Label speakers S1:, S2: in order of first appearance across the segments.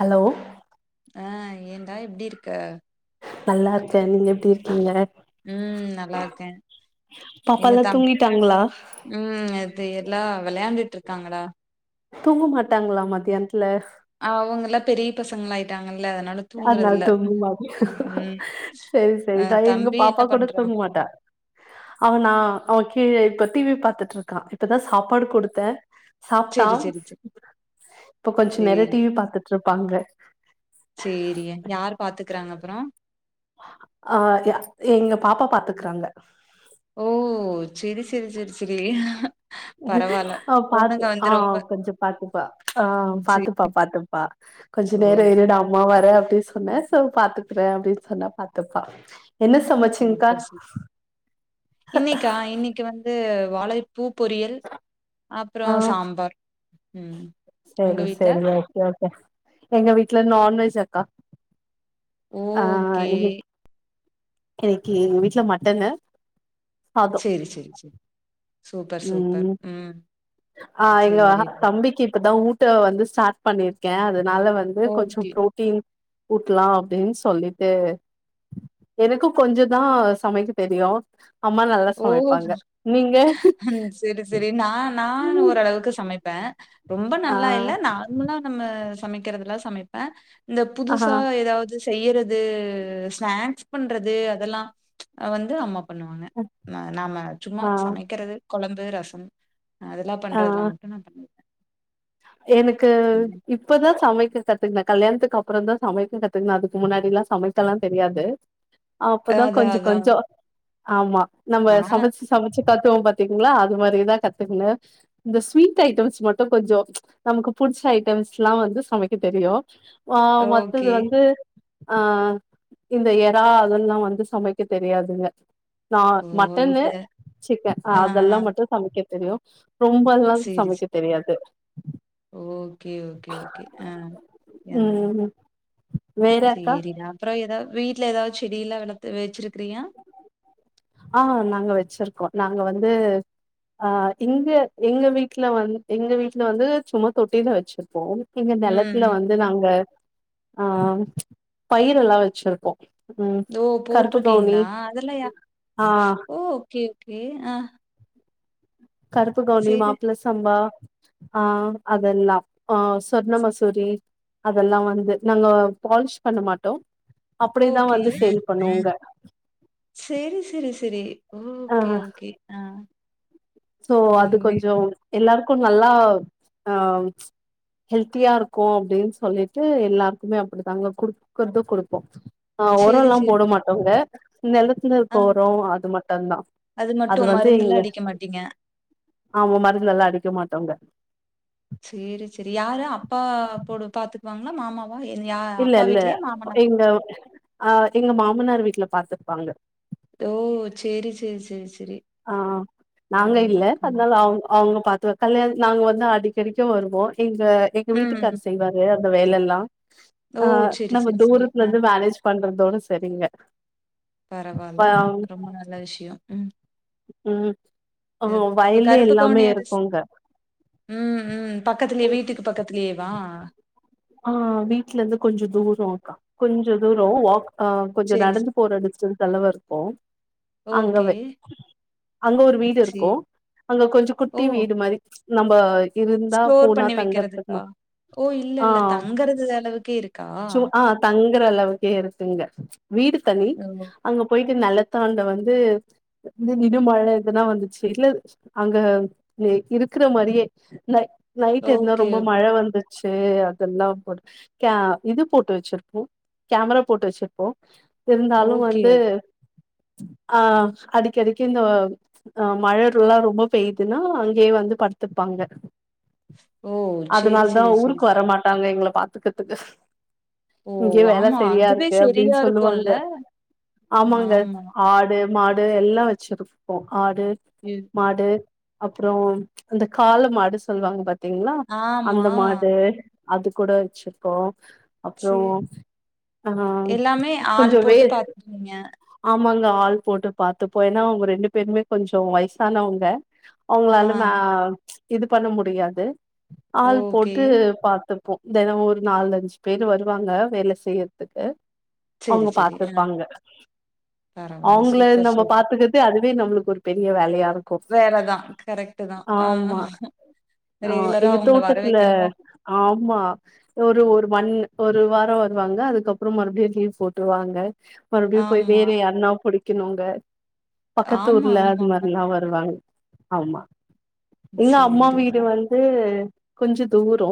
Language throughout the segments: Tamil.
S1: ஹலோ
S2: ஆ ஏண்டா எப்டி இருக்க
S1: நல்லாருக்கே நீங்க எப்டி இருக்கீங்க
S2: ம் நல்லாருக்கே எங்க
S1: பாப்பால்லா
S2: தம்
S1: தூங்கிட்டாங்களா
S2: ம் அது எல்லா வெளையாண்டுட்டு இருக்காங்கடா
S1: தூங்க மாட்டாங்ளா மத்தியானத்துல
S2: அவங்கல்லா பெரிய பசங்களா ஆயிட்டாங்கல்ல அதனால தூங்குறது
S1: ஆதனால
S2: இல்ல
S1: தூங்கமாவு
S2: ம்
S1: செரி
S2: அ
S1: செரி நா எங்க
S2: தம்பி என்ன
S1: பாப்பா கூட
S2: பண்றா
S1: தூங்கமாட்டா அவனா அவ கீழ இப்ப டிவி பாத்துட்டுருக்கா இப்பதா சாப்பாடு குடுத்தே சாப்ட்டா
S2: சேரி சேரி சேரி
S1: இப்ப கொஞ்சோ நேரோ
S2: சேரி
S1: டிவி பாத்துட்டு இருப்பாங்க
S2: சேரிய யார் பாத்துக்கிறாங்க அப்பறோ
S1: ஆ யா எங்க பாப்பா பாத்துக்குறாங்க
S2: ஓ செரி செரி செரி செரி பரவால்ல
S1: ஆ பாத்து
S2: பொண்ணுங்க
S1: ஆ
S2: வந்து ரொம்ப
S1: கொஞ்சோ பாத்துப்பா ஆ
S2: சே
S1: பாத்துப் பா பாத்தப்பா கொஞ்சோ
S2: ஓ
S1: நேரோ இருடா அம்மா வர அப்டி சொ சொன்னே சோ பாத்துக்றே அப்டின்னு சொன்னா பாத்துப்பா என்ன சமைச்சிங்க்கா
S2: சூப்பர் சூப் இன்னைக்கா இன்னைக்கி வந் து வாழைப் பூ பொரியல் அப்றோ சாம்பார் ம் உங்க
S1: செரி
S2: வீட்ல
S1: செரி ஓகே ஓகே எங்க வீட்டல நான்வெஜ் அக்கா ஆ
S2: ஓகே
S1: இன் இன்னிக்கு எங்க வீட்ல மட்டன்னு
S2: செரி செரி செரி
S1: ம் ஆ எங்க
S2: சேரிடா.
S1: தம்பிக்கு இப்பதா ஊ ட்ட வந்து ஸ்டாட் பண்ணிருக்க அதனால வந்து கொஞ்சோ
S2: ஓகே.
S1: ப்ரோட்டீன் ஊட்டலா அப்டின்னு சொல்லிட்டு எனக்கோ கொஞ்சோ தா சமைக்க தெரியு அம்மா நல்லா சமைப்பாங்க நீங்க
S2: ம் சரி சரி நா நா ஓரளவுக்கு சமைப்பே ரொம்ப
S1: ஆ
S2: நல்லா இல்ல நா முன்னல்லா நம்ம சமைக்கறதல்லா சமைப்ப இந்த
S1: ஆ
S2: புதுசா ஏதாது செய்யறது ஸ்நாக்ஸ் பண்றது அதெல்லா வந்து அம்மா பண்ணுவாங்க நாம சும்மா
S1: ஆ
S2: சமைக்கறது கொலம்பு ரசம் அதெல்லா
S1: ஆ
S2: பண்றதுலா மட்டு நா பண்ணிருவே
S1: எனக்கு இப் பதா சமைக்க கத்துக்குண கல்யாணத்துக்குப்பறோ தா சமைக்க கத்துக்கண அதுக்கு முன்னாடில்லா சமைக்கலா தெரியாது அப்பதா
S2: அதான்,
S1: கொஞ்சோ
S2: அதான்.
S1: கொஞ்சோ ஆமா நம்ம
S2: நானா
S1: சமச்ச சமைச்சி கத்துவோ பாத்தீங்களா அது மாரிதா கத்துக்கண இந்த ஸ்வீட் ஐட்டம்ஸ் மட்டு கொஞ்சோ நமக்கு புடிச்ச ஐட்டம்ஸ்லா வந்து சமைக்க தெரியோ ஆ மத்தது
S2: ஓகே.
S1: வந்து ஆ இந்த எறா அதெல்லா வந்து சமைக்க தெரியாதுங்க ஆ
S2: ஓ!
S1: மட்டன்னு
S2: இல்ல.
S1: சிக்கன்
S2: ஆ,
S1: அதெல்லா
S2: ஆ.
S1: மட்டோ சமைக்க தெரியோ ரொம்பல்லா
S2: சரி,
S1: சமைக்க
S2: சரி.
S1: தெரியாது
S2: ஓகே ஓகே ஓகே ஆ ஆ
S1: ம் வேற அக்கா
S2: செரிங்க அப்பறோ ஏதா வீட்ல ஏதாது செடில்லா வளத்து வச்சிருக்றீயா
S1: ஆ நாங்க வச்ருக்கோ நாங்க வந்து ஆ இங்க எங்க வீட்ல வந்து எங்க வீட்ல வந்து சும்மா தொட்டி தா வச்சிருப்போ எங்க
S2: ம்
S1: நெலத்துல
S2: ம்
S1: வந்து நாங்க ஆ பயிர எல்லா வச்சிருக்கோ
S2: இதோ போட்டிருக்கீங்களா அதெல்லா யா
S1: ஆ
S2: ஓ ஓகே ஓகே ஆ
S1: கருப்புகவுனி
S2: சேரி
S1: மாப்பள சம்பா அ அதல்ல ஆ சொர்ண மசூரி அதல்லா வந்து நாங்க பாலிஷ் பண்ண மாட்டோ அப்டியேதா
S2: ஓகே
S1: வந்து சேல் பண்ணுவோங்க
S2: செரி செரி செரி
S1: ஆ
S2: ஓகே ஓகே ஆ
S1: சோ அது
S2: ம்
S1: கொஞ்சோ எல்லாருக்கோ நல்லா ஆ ஹெல்த்தியா இருக்கும் அப்டின்னு சொல்லிட்டு எல்லாருக்குமே அப்டித்தாங்க குடுக்கறத குடுப்போம் ஆ
S2: சேரி
S1: ஒரம்ல்லா
S2: சேரி
S1: போட மாட்டோங்க நெலத்துல இருக்க
S2: ஆ
S1: ஒரம் அது மட்டும்தா அது வந்து இங்க
S2: ட்டிங்க
S1: ஆமா மருந்துலா அடிக்க மாட்டோங்க
S2: செரி செரி யாரு அப்பா போடு பாத்துக்குவாங்களா மாமா யா அப்பா
S1: இல்லல்ல
S2: வீட்லயா மாமனா
S1: எங்க அ எங்க மாமனாரு வீட்ல பாத்துப்பாங்க
S2: ஓ செரி செரி செரி செரி
S1: ஆ நாங்க இல்ல அதனால அவுங் அவுங்க பாத்த கல்யாண நாங்க வந்து அடிக்கடிக்கு வருவோம் எங்க எங்க
S2: ம்
S1: வீட்டுக்காரு செய்வாரு அந்த வேலல்லாம்
S2: ஓ
S1: ஆ
S2: சேரி
S1: நம்ம
S2: சேரி சேரி ஆ
S1: தூரத்துலருந்து மேனேஜ் பண்றதோட செரிங்க
S2: பரவால்ல ரொம்ப நல்ல விஷ்யோ ம்
S1: ம் ஓ
S2: அஹ் இப்ப
S1: வயலு
S2: கருப்பு
S1: எல்லாமே
S2: கவுனி அரிசி
S1: இருக்குங்க
S2: ம் ம் பக்கத்திலே வீட்டுக்கு பக்கத்துலே வா
S1: ஆ வீட்ல இருந்து கொஞ்சு தூர அக்கா கொஞ்சோ தூரோ வாக் ஆ கொஞ்சோ
S2: சரி ஸ்
S1: நடந்து போற டிஸ்டன்ஸ் அளவு இருக்கு அங்க
S2: ஓகே.
S1: வை அங்க ஒரு வீட்
S2: சரி.
S1: இருக்கு அங்க கொஞ்ச குட்டி
S2: ஓ!
S1: வீடு மாரி நம்ப இருந்தா
S2: ஸ்டோர்
S1: போனா
S2: பண்ணி
S1: தங்கறதுக்கு
S2: வைக்கிறதுக்கா?
S1: ம
S2: ஓ
S1: ஆ
S2: இல்லல்ல தங்குறது அளவுக்கே இருக்கா
S1: சு ஆ தங்குற அளவுக்கே இருக்குங்க வீடு தனி
S2: ஓ!
S1: அங்க போயிட்டு நெலத்தாண்ட வந்து இந்த திடு மழ இப்பதா வந்துச்சு இல்ல அங்க இ இருக்கிற மாரியே நைட் நைட் எதுனா
S2: ஓகே,
S1: ரொம்ப மழ வந்துச்சு அ இதெல்லா படு க இது போட்டு வச்சிருப்போ கேமரா போட்டு வச்சிருப்போ இருந்தாலு
S2: ஓகே.
S1: வந்து ஆ அடிக்கடிக்கு இந்த அ மழல்லா ரொம்ப பெய்துன்னா அங்கயே வந்து படுத்துருப்பாங்க
S2: ஓ! சரி,
S1: அதனால தா
S2: சரி, சரி.
S1: ஊருக்கு வர மாட்டாங்க எங்கள பாத்துக்கதுக்கு
S2: ஓ!
S1: இங்கயே வேலை
S2: ஆமா.
S1: செரியா
S2: அதுவே
S1: இருக்கு
S2: சரியா
S1: அப்டின்
S2: இருக்கும்ல?
S1: சொல்லுவாங்க ஆமாங்க
S2: ஆமா.
S1: ஆடு மாடு எல்லா வச்சிருப்போ ஆடு
S2: ம்
S1: மாடு அப்றோ அந்த காள மாடு சொல்வாங்க பாத் தீங்ளா
S2: ஆமா.
S1: அந்த மாடு அது கூட வச்சிருக்கோ அப்றோ
S2: சரி.
S1: ஆ
S2: எல்லாமே ஆள்
S1: கொஞ்ச
S2: போட்டு
S1: வேர்
S2: பாத்துக்குவீங்க.
S1: ஆமாங்க ஆள் போட்டு பாத்துபோ ஏனா அவுங்க ரெண்டு பேருமே கொஞ்சோ வயசானவங்க
S2: ஆ.
S1: அவுங்களால மே இது பண்ண முடியாது ஆள்
S2: ஓகே.
S1: போட்டு பாத் துப்போ தெனோ ஒரு நாலஞ்சு பேரு வருவாங்க வேல செய்றதுக்கு
S2: சரி,
S1: அவுங்க
S2: சரி. ஆ
S1: பாத்துப்பாங்க
S2: பரவால்ல.
S1: அவுங்கள
S2: சூப்பர்,
S1: நம்ம
S2: சூப்
S1: பாத்துக்க து அதுவே நம்ளுக்கு ஒரு பெரிய வேலயா இருக் கு
S2: வேல தான். கரெக்ட்டு தான். ஆ.
S1: ஆமா ஆ
S2: ரெகுலரா
S1: எங்க
S2: அவங்கள வர
S1: தோட்டத்துல
S2: வைக்கணு.
S1: ஆமா ஒரு ஒரு ஒன் ஒரு வாரோ வருவாங்க அதுக்கப்றோ மறுபடியு லீவ் போட்ருவாங்க மறுபடியு போய்
S2: ஆமா.
S1: வேற யாருனா புடிக்கணுங்க பக்கத்து
S2: ஆமா,
S1: ஊர்ல அந்த
S2: ஆமா. அ
S1: மாரிலா வரு வருவாங்க ஆமா இல்ல அம்மா
S2: சரி,
S1: வீடு
S2: சரி.
S1: வந் து கொஞ்ச தூரோ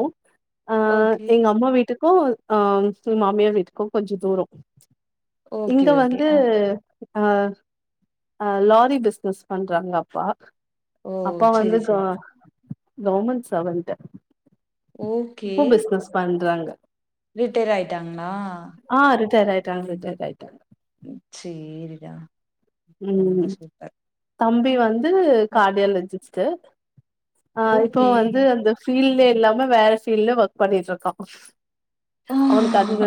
S1: அ
S2: ஓகே.
S1: எங்க அம்மா வீட்டுக்கு அ எங்க மாமியார் வீட்டுக்கு கொஞ்ச தூரோ
S2: ஓகே,
S1: இங்க
S2: ஓகே.
S1: வந்து
S2: ஆ.
S1: அ அ லாரி பிஸ்னஸ் பண்றாங்க அப்பா
S2: ஓ!
S1: அப்பா வந்து
S2: சரி,
S1: க
S2: சரி.
S1: கவர்மண்ட் சர்வேன்டு இப்போ பிசனஸ் பண்றாங்க
S2: ரிட்டையர் ஆயிட்டாங்ளா
S1: ஆ ரிட்டையர் ஆயிட்டாங்க ரிட்டையர் ஆயிட்டாங்க
S2: ம் செரிடா
S1: ம் தம்பி வந்து
S2: அ
S1: கார்டியாலஜிஸ்டு ஆ இப்போ
S2: ஓகே.
S1: வந்து அந்த ஃபீல்ட்லே இல்லாம வேற ஃபீல்டுல ஒர்க் பண்ணிட்ருக்கா அவனுக்கு அதுங்க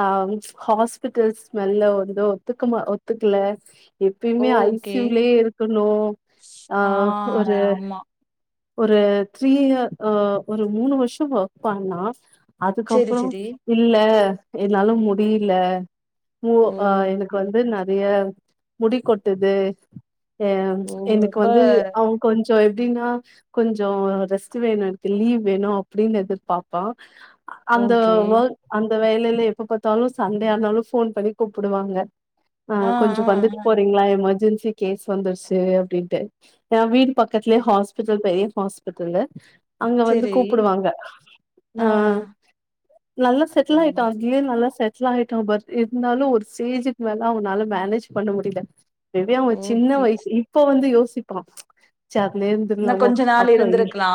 S1: ஆ ஹாஸ்பிட்டல்ஸ் ஸ்மெல்லு வந்து ஒத்துக்கமா ஒத்துக்ல எப்பயுமே ஐ சி
S2: ஓகே.
S1: யூலே இருக்கணு ஆ ஒரு
S2: ஆமா.
S1: ஒரு த்ரீ இயர் அ ஒரு மூணு வருஷோ ஒர்க் பண்ணா
S2: சரி,
S1: அதுக்கப்புறம்
S2: சரி.
S1: இல்ல என்னால முடியல அ எனக்கு
S2: ஓகே.
S1: வந்து நறைய முடி கொட்டுது அ
S2: ஓ!
S1: எனக்கு
S2: ரொம்ப
S1: வந்து அவங்க கொஞ்சோ எப்டின்னா கொஞ்சோ ரெஸ்ட் வேணு லீவ் வேணு அப்டின்னு எதிர்பாப்பா அந்த
S2: ஓகே.
S1: ஒர்க அந்த வேலையில எப்ப பாத்தாலு சண்டே ஆனாலு போன் பண்ணி கூப்பிடுவாங்க அ
S2: ஆ,
S1: கொஞ்சோ
S2: ஆ,
S1: வந்துட்டு
S2: ஆ.
S1: போறீங்களா எமெர்ஜென்சி கேஸ் வந்துருச்சு அப்டின்ட்டு ஏ வீடு பக்
S2: ம்.
S1: [unintelligible] ஹாஸ்பிட்டல் பெரிய ஹஸ்பிடலு அங்க வந்து
S2: சரி.
S1: கூப்பிடுவாங்க
S2: ஆ.
S1: அ நல்லா
S2: ஓ
S1: செட்டில் ஆயிட்டா ஏ நல்லா செட்டில் ஆயிட்டா பாரு இருந்தாலு ஒரு ஸ்டேஜுக்கு மேல அவனால மேனேஜ் பண்ண முடியல [unintelligible] சின்ன
S2: ஓகே.
S1: வயசு இப்ப வந்து யோசிப்பான் [unintelligible]
S2: இன்னு கொஞ்ச நாள் இருந்திருக்கலா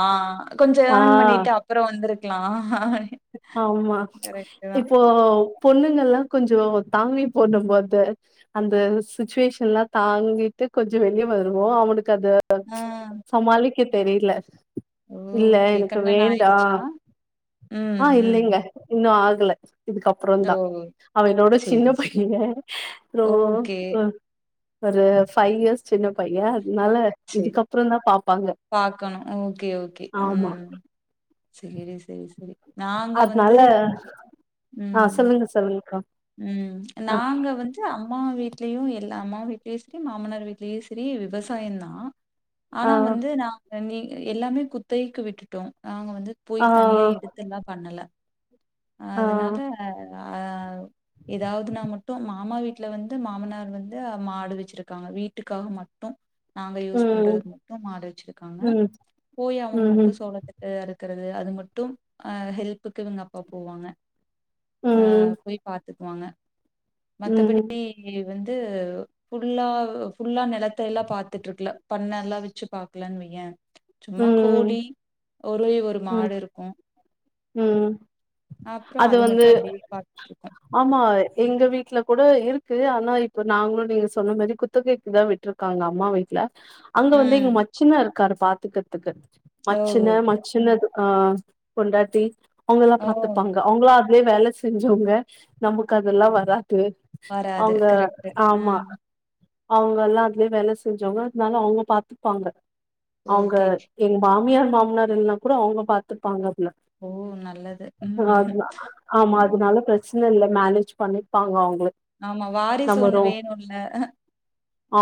S2: கொஞ்சோ
S1: ஆ
S2: ஏர்ன் பண்ணிட்டு அப்றோ வந்திருக்கலா
S1: ஆமா
S2: கரெக்ட்டு தா
S1: இப்போ பொண்ணுங்கல்லாம் கொஞ்சோ தாங்கி [unintelligible] அந்த சுச்சுவேஷன் ல்லாம் தாங்கிட்டு கொஞ்சோ வெளியே வருவோ அவனுக்கு அது
S2: ஆ
S1: சமாளிக்க தெரியல இல்ல
S2: ஓகே
S1: எனக்கு
S2: கல்யாணோ
S1: வேண்டா
S2: ஆயிடுச்சா? ம்
S1: அ
S2: ம்
S1: இல்லைங்க இன்னு ஆகல இதுக்கப்பறோ
S2: ஓ
S1: தா அவனோட சின்ன
S2: சேரி சே
S1: பையங்க ரோ
S2: ஓகே
S1: ஒரு ஃபைவ் இயர்ஸ் சின்ன பைய அதனால
S2: சேரி
S1: இதுக்கப்பற தா பாப்பாங்க
S2: பாக்கணு ஓகே ஓகே
S1: ஆமா
S2: ம் சேரி சேரி சேரி நாங்க
S1: அதனால
S2: வந்து ம்
S1: சொல்லுங்ககா
S2: ம் நாங்க வந்து அம்மா வீட்லயு எல்லா அம்மா வீட்லயு சரி மாமனார் வீட்லயு சரி விவசாய தான்
S1: ஆ
S2: ஆனா வந்து நா நீ எல்லாமே குத்தைக்கு விட்டுட்டோ நாங்க வந்து போய்
S1: ஆ
S2: தனியா எடுத்து எடுத்து எல்லா பண்ணல
S1: ஆ
S2: அதனால அ ஏதாவதுனா மட்டு மாமா வீட்டுல வந்து மாமனார் வந்து மாடு வச்சிருக்காங்க வீட்டுக்காக மட்டு நாங்க யூஸ் பண்றது
S1: ம்
S2: மட்டு மாடு வச்சிருக்காங்க
S1: ம்
S2: போய்
S1: ம்
S2: அவங்கட்ட
S1: ம்
S2: சொல்லு கட்டு அறுக்கிறது அது மட்டு அ ஹெல்ப்புக்கு இவங்க அப்பா போவாங்க அ போய் பாத்துக்குவாங்க
S1: ம்
S2: மத்தபடி வந்து ஃபுல்லா ஃபுல்லா நிலத்த எல்லா பாத்துட்டு இருக்கல பண்ண எல்லா வச்சு பாக்கலனு வையே சும்மா
S1: ம்
S2: கோழி ஒரே ஒரு
S1: ம்
S2: மாடு இருக்கு
S1: ம்
S2: அப்பறம் அது மட்டு அப்படியே பாத்
S1: ஆமா எங்க வீட்டுல கூட இருக்கு ஆனா இப்ப நாங்களு நீங்க சொன்ன மாதிரி குத்தகைக்கு தான் விட்ரு விட்டுருக்காங்க அம்மா வீட்டுல அங்க வந்து
S2: ம்
S1: எங்க மச்சின இருக்காரு பாத்துக்கிறதுக்கு
S2: ஓ
S1: மச்சின
S2: ஓகே
S1: மச்சின அ பொண்டாட்டி அவங்கல்லா
S2: ஓ
S1: பாத்துப்பாங்க அவங்களா அதுலயே வேலை செஞ்சவங்க நமக்கு அதெல்லா வராது
S2: வராது
S1: அவங்க
S2: கரெக்ட்டு. ஆ
S1: ஆமா அவங்க எல்லாஅதுலயே வேலை செஞ்சவங்க அதனால அவங்க பாத்துப்பாங்க அவுங்க
S2: ஓகே.
S1: எங்க மாமியார் மாமனார் இல்லனா கூட அவுங்க பாத்து இருப்பாங்க
S2: ஓ! நல்லது. ம்.
S1: அதுல ஆமா
S2: ஆ.
S1: அதனால பிரச் [unintelligible] இல்ல மேனேஜ் பண்ணிப்பாங்க அவுங்களே
S2: ஆமா வாரிசு ஒண்ணு வேணும்ல்ல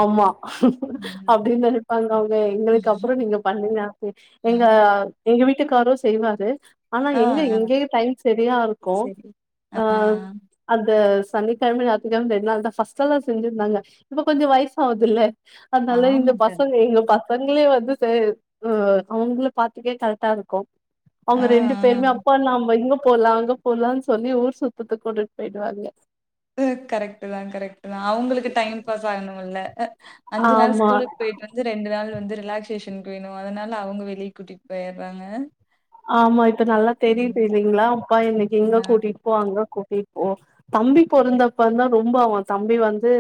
S1: ஆமா அப்டின்னு நெனாப்பாங்க அவுங்க எங்களுக்கு அப்றோ நீங்க பண்ணீங்க எங்க எங்க வீட்டுக்காரு செய்வாரு ஆனா
S2: ஆ,
S1: எங்க
S2: ஆ.
S1: இங்கே டைம் சரியாருக்கு
S2: சரி. ஆ.
S1: அ அது சனிக்கிழம ஞாத்திக்கிழம ரெண் நாள்தா ஃபர்ஸ்ட்டு எல்லா செஞ்சிருந்தாங்க இப்ப கொஞ்சோ வயசு ஆகுதுல்ல அதனால இந்த
S2: ஆமா. கண்டிப்பா.
S1: பசங்க எங்க பச ங்களே வந்து செ உ அவுங்கள பாத்துக்கே கரெக்டாருக்கு
S2: ஆ,
S1: அவுங்க ரெண்டு
S2: ஆ.
S1: பேருமே அப்பா நம்ம இங்க போலா அங்க போலான்னு சொல்லி ஊர் சுத்துதுக்கு கூண்டிட்டு போய்டுவாங்க
S2: து கரெக்ட் தா கரெக்ட் தா அவுங்களுக்கு டைம் பாஸ் ஆகணுல்ல அஞ்சு நாள்
S1: ஆமா
S2: ஸ்கூலுக்கு போய்ட்டு வந் து ரெண்டு நாள் வந்து ரிலாக்சேஷனுக்கு வேணு அதனால அவுங்க வெளிய கூட்டிட்டு போய்டுறாங்க
S1: ஆமா இப்ப நல்லா தெரிதுல்லிங்களா அப்பா என்னைக்கு எங்க
S2: ஆ.
S1: கூட்டிட்டு போ அங்க கூட்டிட்டு போ தம்பி பொறந்தப்பந்தா ரொம்ப அவன் தம்பி வந்து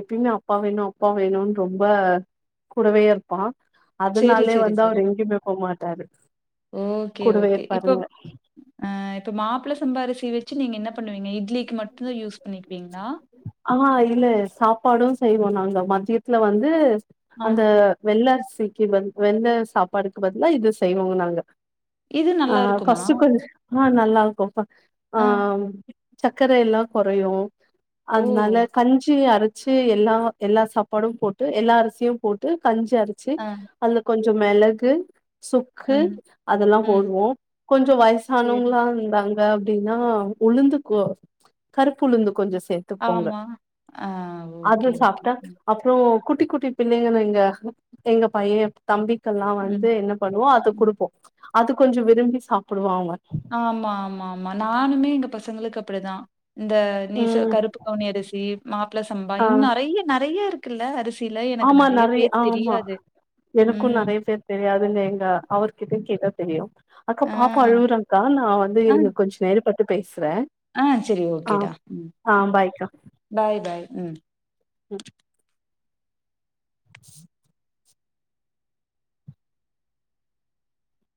S1: எப்பயுமே அப்பா வேணு அப்பா வேணுனு ரொம்ப கூடவே இருப்பா
S2: சரி,
S1: அதுனாலே
S2: சரி,
S1: வந்து அவரு எங்கியுமே போமாட்டாரு
S2: ஓக்கே ஓக்கே இப்போ ஆ இப்ப மாப்பிள சம்பா அரிசி வச்சு நீங்க என்ன பண்ணுவீங்க இட்லிக்கு மட்டும்தா யூஸ் பண்ணிக்குவீங்ளா
S1: ஆ இல்ல சாப்பாடு செய்வோ நாங்க மதியத்துல வந்து
S2: ஆ.
S1: அந்த வெள்ள அரிசிக்கு பதி வெள்ள சாப்பாடுக்கு பதிலா இது செய்வோங்க நாங்க
S2: இது
S1: ஆ
S2: நல்லா இருக்குமா?
S1: [unintelligible] ஆ நல்லாருக்கும்ப்பா ஆ சக்கர எல்லா குறையு
S2: ஓ!
S1: அதனால கஞ்சி அற ச்சு எல்லா எல்லா சாப்பாடும் போட்டு எல்லா அரிசியும் போட்டு கஞ்சி அரச்சு
S2: ஆ.
S1: அதுல கொஞ்சோ மெளகு சுக்கு
S2: ம்.
S1: அதெல்லா
S2: ம்.
S1: போடுவோம் கொஞ்சோ
S2: சரி.
S1: வயசானவங்களா இருந்தா தாங்க அப்டின்னா உளுந்து கொ கருப்பு உளுந்து கொஞ்சோ சேர் பொங்கல்
S2: ஆமா. ஆ
S1: அது
S2: ஓகே, ஓகே.
S1: சாப்ட்டா அ
S2: ம்.
S1: [inaudible] அப்றோ குட்டி குட்டி பிள்ளைங்க எங்க எங்க பையே தம்பிக்கெல்லா
S2: ம்.
S1: வந்து என்ன பண்ணுவோ அத
S2: ம்.
S1: குடுப்போ அது கொஞ்சோ விரும்பி சாப்புடுவாங்க
S2: ஆமா ஆமா ஆமா நானுமே எங்க பசங்களுக்கு அப்டிதா இந்த நீ சொ
S1: ம்
S2: கருப்பு கவுனி அரிசி மாப்பிள சம்பா
S1: ஆ
S2: இன்னு நெறய நெறய இருக்குல்ல அரி சில எனக்கு
S1: ஆமா
S2: நெறய
S1: நெறைய
S2: பேர் தெரியாது ம்
S1: தெரியாதுல்ல எங்க அவருகிட்டு கேட்டா தெரியு அக்கா
S2: ஆ.
S1: பாப்பா அழுவுறா க்கா நா வந்து
S2: ஆ,
S1: இருக்க கொஞ்சோ நேரம் மட்டு பேசுறே
S2: ஆ செரி
S1: ஆ
S2: ஓக்கேடா ம்
S1: ஆ பாய்க்கா
S2: பாய் பாய் ம்
S1: ம்